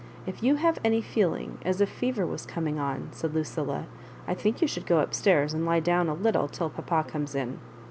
" If you have any feeling as if fever was coming on," said Lucilla, " I think you should go up stairs and lie down a little till papa comes in.